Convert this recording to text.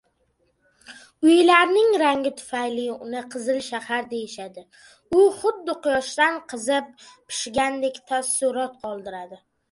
Uylarning rangi tufayli uni “Qizil shahar” deyishadi. U xuddi quyoshda qizib, pishgandek taassurot qoldiradi.